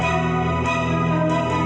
yang sepupu banget